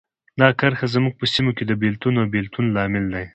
دا کرښه زموږ په سیمو کې د بېلتون او بیلتون لامل ده.